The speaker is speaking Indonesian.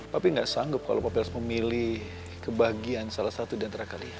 papi gak sanggup kalau papi harus memilih kebahagiaan salah satu diantara kalian